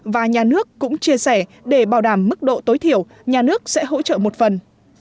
và nhà nước cũng chia sẻ để bảo đảm mức độ tối thiểu nhà nước sẽ hỗ trợ một phần